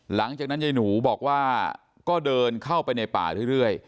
หลังจากนั้นยายหนูบอกว่าก็เดินเข้าไปในป่าเรื่อย